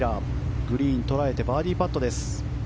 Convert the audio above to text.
グリーン捉えてバーディーパットです。